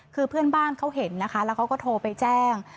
เพื่อนบ้านเขาเห็นแล้วเขาโทรแก้แจ้ง